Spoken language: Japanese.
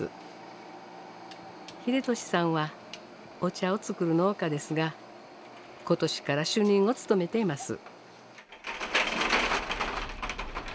秀俊さんはお茶を作る農家ですが今年から主任を務めています。